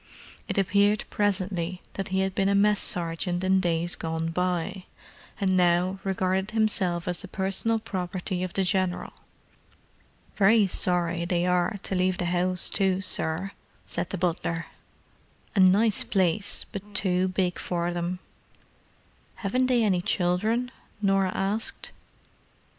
It appeared presently that he had been a mess sergeant in days gone by, and now regarded himself as the personal property of the General. "Very sorry they are to leave the 'ouse, too, sir," said the butler. "A nice place, but too big for them." "Haven't they any children?" Norah asked.